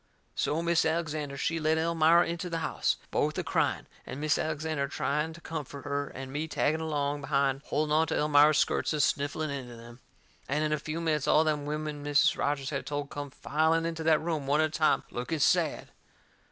So Mis' Alexander, she led Elmira into the house, both a crying, and Mis' Alexander trying to comfort her, and me a tagging along behind holding onto Elmira's skirts and sniffling into them. And in a few minutes all them women Mis' Rogers has told come filing into that room, one at a time, looking sad.